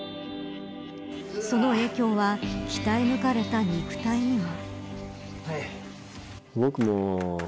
その影響は鍛え抜かれた肉体にも。